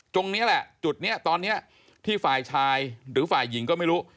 ตรงนี้แหละจุดนี้ตอนนี้ที่ฝ่ายชายหรือฝ่ายหญิงก็ไม่รู้